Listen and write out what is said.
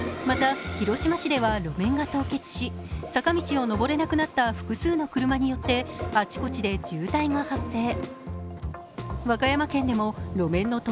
また、広島市では路面が凍結し、坂道を上れなくなった複数の車によってあちこちで渋滞が発生。